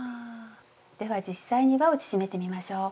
では実際にわを縮めてみましょう。